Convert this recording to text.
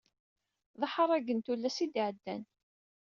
D aḥerrag n tullas i d-iɛeddan.